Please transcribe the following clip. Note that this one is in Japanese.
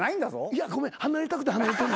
いやごめん離れたくて離れとる。